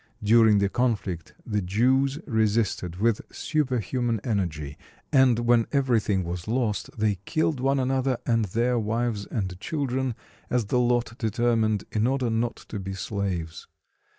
During the conflict the Jews resisted with superhuman energy; and when everything was lost they killed one another and their wives and children as the lot determined, in order not to be slaves.